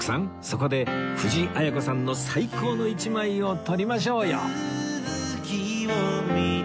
そこで藤あや子さんの最高の一枚を撮りましょうよ